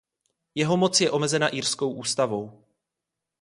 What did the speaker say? Jeho moc je omezena irskou ústavou.